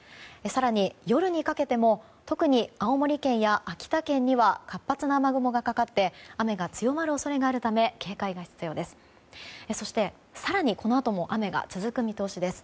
更に夜にかけても特に、青森県や秋田県には活発な雨雲がかかって雨が強まる恐れがあるため警戒が必要です。